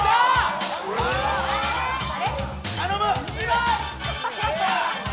頼む！